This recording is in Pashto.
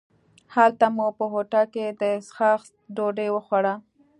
هلته مو په هوټل کې د څاښت ډوډۍ وخوړله.